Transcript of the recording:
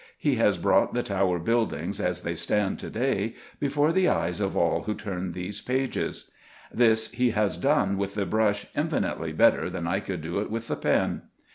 He has brought the Tower buildings, as they stand to day, before the eyes of all who turn these pages. This he has done with the brush infinitely better than I could do it with the pen.